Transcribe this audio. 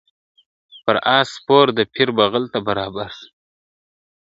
پر آس سپور د پیر بغل ته برابر سو ..